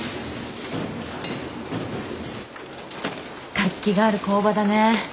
活気がある工場だね。